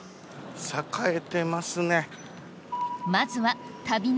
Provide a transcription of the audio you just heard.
栄えてますね。